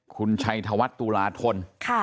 คุณชัยธวัฒน์ตุลาทน